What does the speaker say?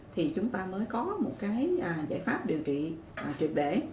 thì chúng ta mới có một giải pháp điều trị truyệt để